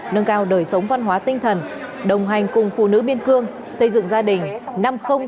nâng cao đời sống văn hóa tinh thần đồng hành cùng phụ nữ biên cương xây dựng gia đình năm